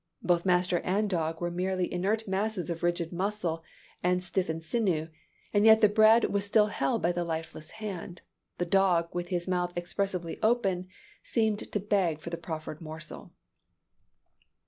Both master and dog were merely inert masses of rigid muscle and stiffened sinew, and yet the bread was still held by the lifeless hand. The dog, with his mouth expressively open, seemed still to beg for the proffered morsel."